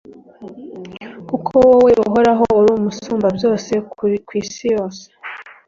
kuko wowe uhoraho, uri musumbabyose ku isi yose